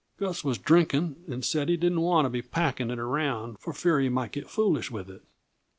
Gus was drinking, and said he didn't want to be packing it around for fear he might get foolish with it.